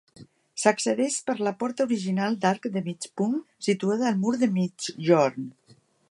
S'accedeix per la porta original d'arc de mig punt, situada al mur de migjorn.